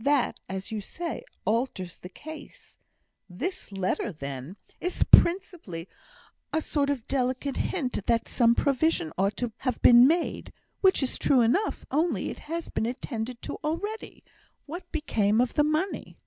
"That, as you say, alters the case. This letter, then, is principally a sort of delicate hint that some provision ought to have been made, which is true enough, only it has been attended to already; what became of the money?"